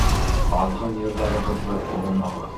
Аҙғын йырҙарығыҙҙы оломағыҙ.